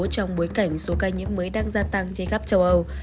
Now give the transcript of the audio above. trong bối cảnh số ca nhiễm mới đang gia tăng trên khắp châu âu